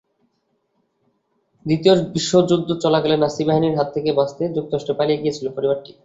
দ্বিতীয় বিশ্বযুদ্ধ চলাকালে নাৎসি বাহিনীর হাত থেকে বাঁচতে যুক্তরাষ্ট্রে পালিয়ে গিয়েছিল পরিবারটি।